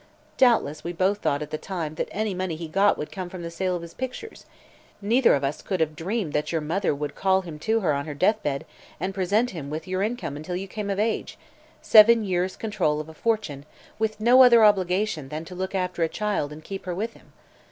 Doubtless we both thought, at the time, that any money he got would come from the sale of his pictures; neither could have dreamed that your mother would call him to her on her death bed and present sent him with your income until you came of age seven years' control of a fortune, with no other obligation than to look after a child and keep her with him.